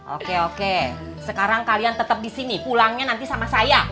oke oke sekarang kalian tetap di sini pulangnya nanti sama saya